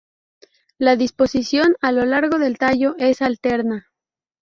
La disposición a lo largo del tallo es alterna.